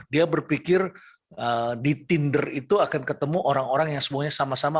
dia berpikir di tinder itu akan ketemu orang orang yang semuanya sama sama